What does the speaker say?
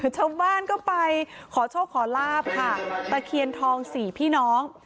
ชาวบ้านก็ไปขอโชคขอลาบค่ะตะเคียนทองสี่พี่น้อง